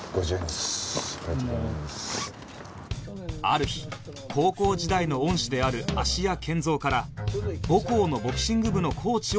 ある日高校時代の恩師である芦屋賢三から母校のボクシング部のコーチを頼まれる